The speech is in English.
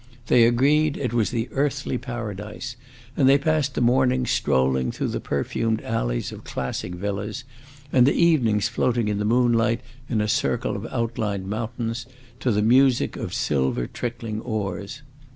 They agreed it was the earthly paradise, and they passed the mornings strolling through the perfumed alleys of classic villas, and the evenings floating in the moonlight in a circle of outlined mountains, to the music of silver trickling oars.